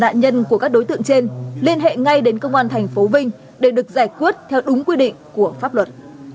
nếu ai là nạn nhân của các đối tượng trên liên hệ ngay đến công an thành phố vinh để được giải quyết theo đúng quy định của pháp luật